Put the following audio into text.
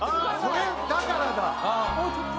それだからだ！